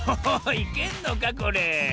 いけんのかこれ？